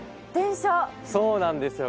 そうなんですよ